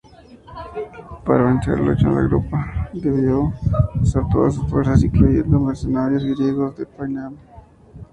Para vencerlo, Chandragupta debió usar todas sus fuerzas, incluyendo mercenarios griegos de Panyab.